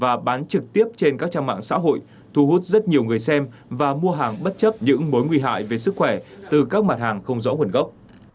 các mặt hàng mỹ phẩm này được chủ cơ sở livestream và bán trực tiếp trên các trang mạng xã hội thu hút vào các trang mạng xã hội thu hút rất nhiều người xem và mua hàng bất chấp những mối nguy hại về sức khỏe từ các mặt hàng không rõ nguồn gốc